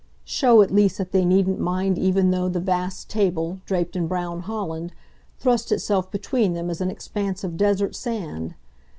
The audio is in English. show at least that they needn't mind even though the vast table, draped in brown holland, thrust itself between them as an expanse of desert sand.